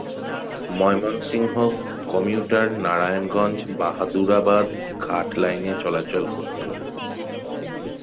Mymensingh commutator Narayanganj-Bahadurabad ঘাট লাইনে চলাচল করত।